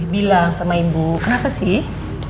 bilang sama ibu kenapa sih